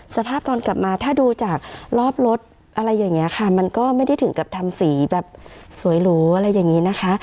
สภาพตอนกลับมาถ้าดูจากรอบรถค่ะมันก็ไม่ได้ถึงกับทำสีสวยหรูอะไรแบบนี้นะคะ